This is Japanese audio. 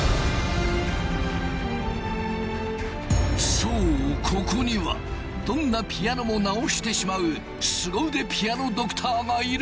そうここにはどんなピアノも直してしまうすご腕ピアノドクターがいる。